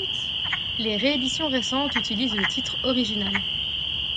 Les rééditions récentes utilisent le titre original.